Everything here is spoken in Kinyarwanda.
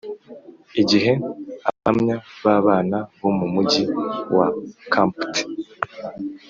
Igihe Abahamya b abana bo mu mugi wa Khampat